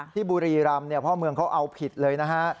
บุรีรำพ่อเมืองเขาเอาผิดเลยนะฮะ